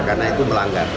karena itu melanggar